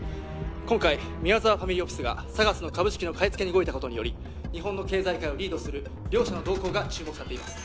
今回宮沢ファミリーオフィスがＳＡＧＡＳの株式の買い付けに動いたことにより日本の経済界をリードする両社の動向が注目されています